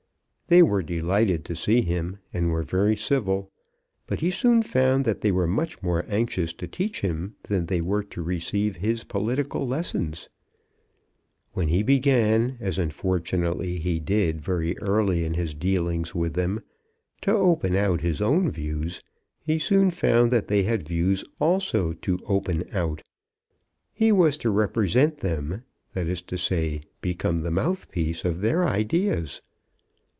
They were delighted to see him, and were very civil; but he soon found that they were much more anxious to teach him than they were to receive his political lessons. When he began, as unfortunately he did very early in his dealings with them, to open out his own views, he soon found that they had views also to open out. He was to represent them, that is to say, become the mouthpiece of their ideas.